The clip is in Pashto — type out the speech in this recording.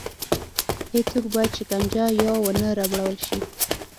هېڅوک باید شکنجه یا ونه ربړول شي.